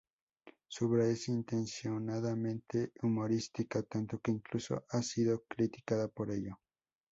Su obra es intencionadamente humorística, tanto que incluso ha sido criticada por ello.